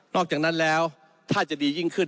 อกจากนั้นแล้วถ้าจะดียิ่งขึ้น